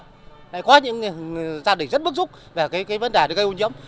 đấy có những gia đình rất bức xúc về cái vấn đề gây ô nhiễm